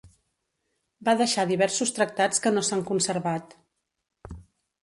Va deixar diversos tractats que no s'han conservat.